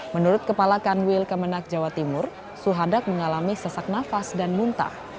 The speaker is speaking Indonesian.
menurut kepala kanwil kemenak jawa timur suhadak mengalami sesak nafas dan muntah